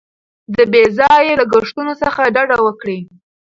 د بې ځایه لګښتونو څخه ډډه وکړئ.